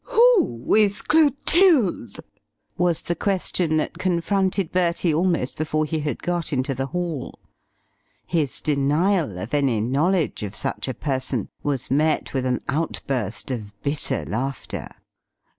"Who is Clotilde?" was the question that confronted Bertie almost before he had got into the hall. His denial of any knowledge of such a person was met with an outburst of bitter laughter.